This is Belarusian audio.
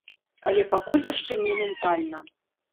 Але пакуль яшчэ не ментальна.